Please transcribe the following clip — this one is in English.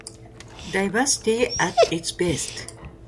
Diversity at its best.